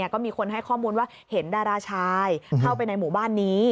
ก็มีคนให้ข้อมูลว่าเห็นดาราชายเข้าไปในหมู่บ้านนี้